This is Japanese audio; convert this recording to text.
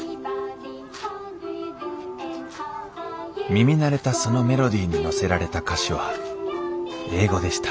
耳慣れたそのメロディーに乗せられた歌詞は英語でした・